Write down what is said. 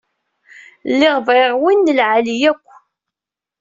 Lliɣ bɣiɣ win n lɛali yakk.